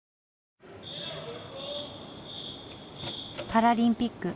パラリンピック